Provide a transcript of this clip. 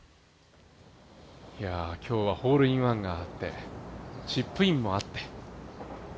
今日はホールインワンもあって、チップインもあって。